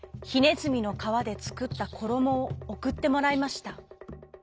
ずみのかわでつくったころもをおくってもらいました。